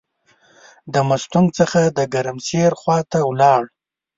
د مستونګ څخه د ګرمسیر خواته ولاړ.